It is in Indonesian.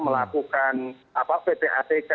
melakukan pt atk